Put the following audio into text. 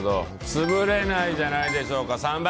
潰れないじゃないでしょうか、３番。